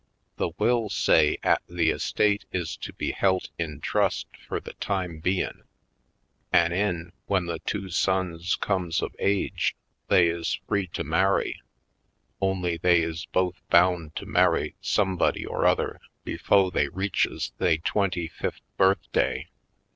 The will say 'at the estate is to be belt in trust fur the time bein' an' 'en w'en the two sons comes of age they is free to marry, only they is both bound to marry somebody or other befo' they reaches they twenty fif birthday.